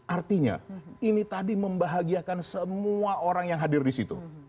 artinya ini tadi membahagiakan semua orang yang hadir di situ